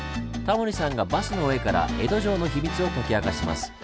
タモリさんがバスの上から江戸城の秘密を解き明かします。